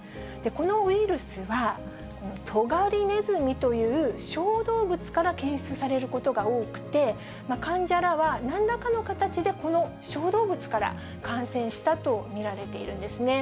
このウイルスは、トガリネズミという小動物から検出されることが多くて、患者らはなんらかの形でこの小動物から感染したと見られているんですね。